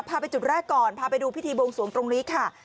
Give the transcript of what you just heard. ไปจุดแรกก่อนพาไปดูพิธีบวงสวงตรงนี้ค่ะ